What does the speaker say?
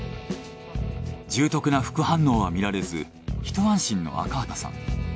重篤な副反応は見られずひと安心の赤畑さん。